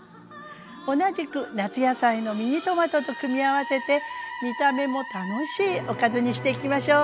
同じく夏野菜のミニトマトと組み合わせて見た目も楽しいおかずにしていきましょう。